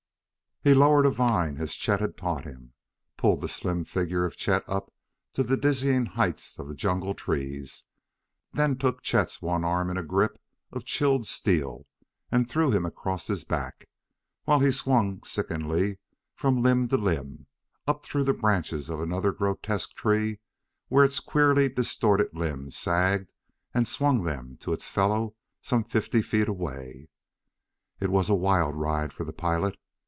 He lowered a vine as Chet had taught him, pulled the slim figure of Chet up to the dizzy heights of the jungle trees, then took Chet's one arm in a grip of chilled steel and threw him across his back, while he swung sickeningly from limb to limb, up through the branches of another grotesque tree where its queerly distorted limbs sagged and swung them to its fellow some fifty feet away. It was a wild ride for the pilot.